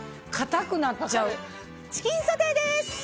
チキンソテーです！